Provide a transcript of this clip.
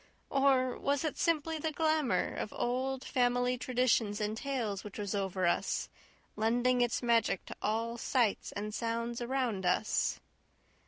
Or was it simply the glamour of old family traditions and tales which was over us, lending its magic to all sights and sounds around us?